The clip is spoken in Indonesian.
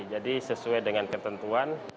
jadi sesuai dengan ketentuan